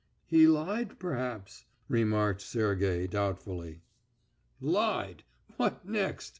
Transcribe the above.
'" "He lied, perhaps," remarked Sergey, doubtfully. "Lied! What next?